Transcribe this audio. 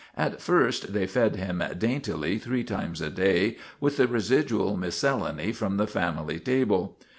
At first they fed him daintily three times a day with the residual miscellany from the family table.